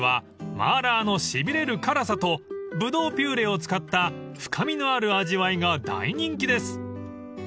［麻辣のしびれる辛さとブドウピューレを使った深みのある味わいが大人気です］